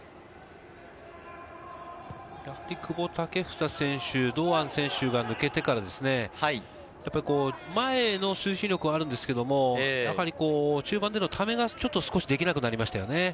久保建英選手、堂安選手が抜けてから前の推進力はあるんですけど、中盤でのためが少しできなくなりましたね。